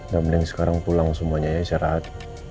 gak mending sekarang pulang semuanya ya isyaraat